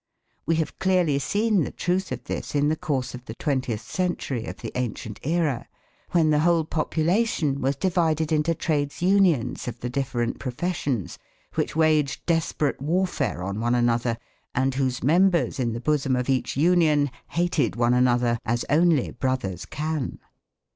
We have clearly seen the truth of this in the course of the twentieth century of the ancient era, when the whole population was divided into trades unions of the different professions, which waged desperate warfare on one another, and whose members in the bosom of each union hated one another as only brothers can.